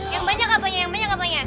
yang banyak apanya